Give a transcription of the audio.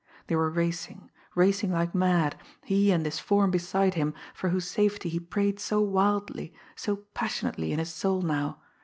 They were racing, racing like mad, he and this form beside him for whose safety he prayed so wildly, so passionately in his soul now.